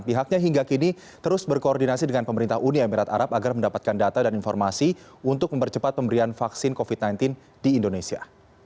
pihaknya hingga kini terus berkoordinasi dengan pemerintah uni emirat arab agar mendapatkan data dan informasi untuk mempercepat pemberian vaksin covid sembilan belas di indonesia